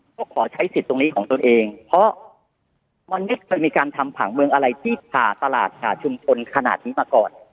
ก็ขอใช้สิทธิ์ตรงนี้ของตนเองเพราะมันไม่เคยมีการทำผังเมืองอะไรที่ผ่าตลาดผ่าชุมชนขนาดนี้มาก่อน